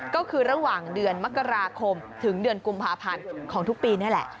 ก็คือระหว่างเดือนมกราคมถึงเดือนกุมภาพันธ์ของทุกปีนี่แหละ